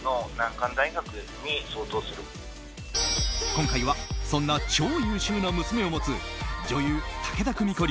今回はそんな超優秀な娘を持つ女優・武田久美子